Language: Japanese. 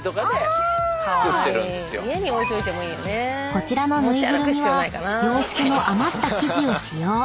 ［こちらのぬいぐるみは洋服の余った生地を使用］